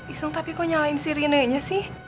iseng tapi kok nyalain sirine nya sih